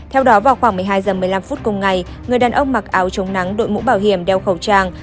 hôm ngày người đàn ông mặc áo chống nắng đội mũ bảo hiểm đeo khẩu trang